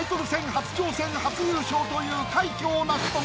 初挑戦初優勝という快挙を成し遂げた。